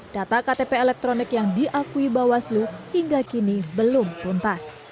data ktp elektronik yang diakui bawaslu hingga kini belum tuntas